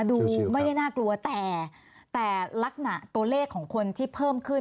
ดูไม่ได้น่ากลัวแต่ลักษณะตัวเลขของคนที่เพิ่มขึ้น